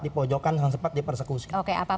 dipojokkan yang sempat dipersekusi